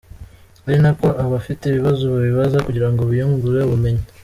ari nako abafite ibibazo babibaza kugira ngo biyungure ubumenyi.